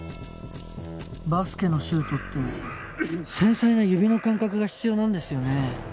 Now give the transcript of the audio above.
バスケのシュートって繊細な指の感覚が必要なんですよね？